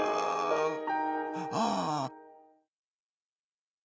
ああ。